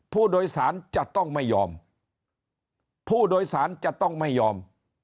ผู้โดยสารจะต้องไม่ยอมผู้โดยสารจะต้องไม่ยอม